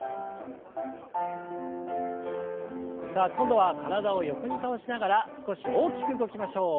さあ今度は体を横に倒しながら少し大きく動きましょう。